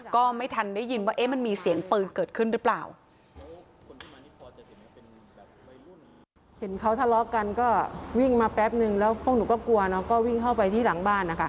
ก็ไม่ทันได้ยินว่ามันมีเสียงปืนเกิดขึ้นหรือเปล่า